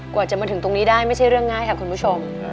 กว่าจะมาถึงตรงนี้ได้ไม่ใช่เรื่องง่ายค่ะคุณผู้ชม